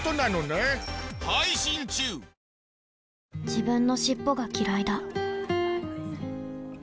自分の尻尾がきらいだ